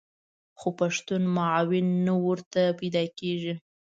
خو پښتون معاون نه ورته پیدا کېږي.